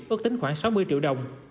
ước tính khoảng sáu mươi triệu đồng